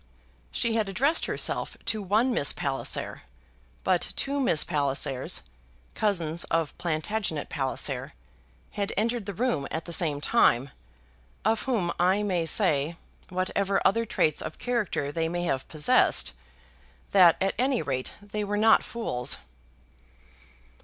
She had addressed herself to one Miss Palliser; but two Miss Pallisers, cousins of Plantagenet Palliser, had entered the room at the same time, of whom I may say, whatever other traits of character they may have possessed, that at any rate they were not fools.